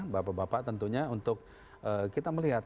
bapak bapak tentunya untuk kita melihat